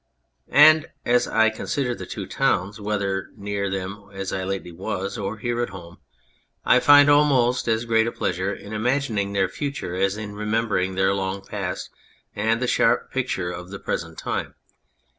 And, as I consider the two towns, whether near them as I lately was or here at home, I find almost as great a pleasure in imagining their future as in remembering their long past and the sharp picture of their present time.